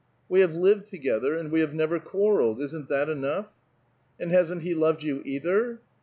"'' We have lived together, and we have never quarrelled; isn't that enough ?"" And hasn't he loved you either?"